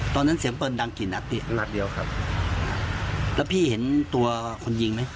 ตอนนั้นเสียงปืนดังกี่นัดพี่นัดเดียวครับแล้วพี่เห็นตัวคนยิงไหม